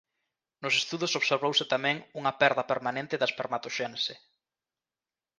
Nos estudos observouse tamén unha perda permanente da espermatoxénese.